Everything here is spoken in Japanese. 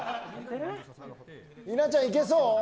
稲ちゃんいけそう。